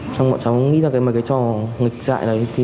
trong mọi cháu nghĩ ra mấy cái trò nghịch dại đấy